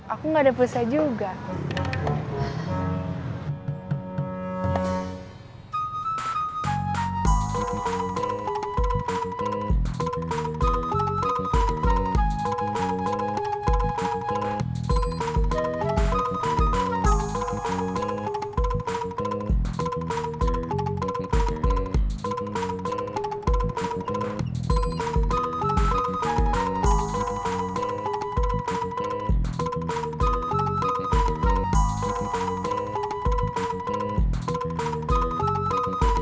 aku gak ada perusahaan juga